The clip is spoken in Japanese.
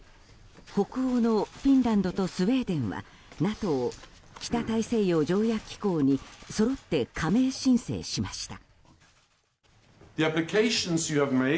北欧のフィンランドとスウェーデンはＮＡＴＯ・北大西洋条約機構にそろって加盟申請しました。